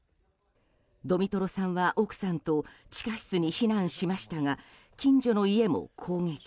ドミトロさんは奥さんと地下室に避難しましたが近所の家も攻撃。